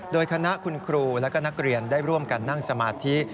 โดยคณะคุณครูและก็นักเรียนได้ร่วมกันนั่งสมาธิ